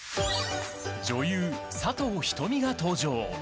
女優・佐藤仁美が登場。